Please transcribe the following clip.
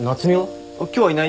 今日はいないよ。